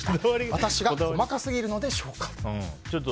私が細かすぎるのでしょうか。